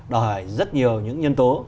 đòi rất nhiều những nhân tố